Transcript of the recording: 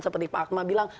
seperti pak akma bilang